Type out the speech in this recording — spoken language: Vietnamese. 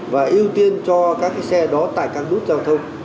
và ưu tiên cho các xe đó tại căn đút giao thông